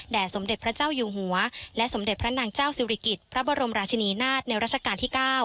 สมเด็จพระเจ้าอยู่หัวและสมเด็จพระนางเจ้าศิริกิจพระบรมราชินีนาฏในราชการที่๙